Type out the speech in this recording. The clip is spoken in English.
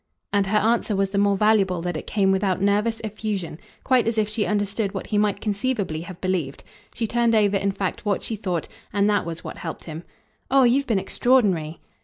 And her answer was the more valuable that it came without nervous effusion quite as if she understood what he might conceivably have believed. She turned over in fact what she thought, and that was what helped him. "Oh you've been extraordinary!"